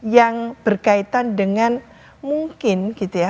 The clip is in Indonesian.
yang berkaitan dengan mungkin gitu ya